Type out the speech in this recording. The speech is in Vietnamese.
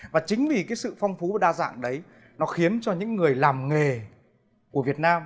và chính vì cái sự phong phú đa dạng đấy nó khiến cho những người làm nghề của việt nam